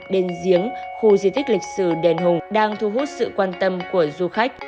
đền giếng khu di tích lịch sử đền hùng đang thu hút sự quan tâm của du khách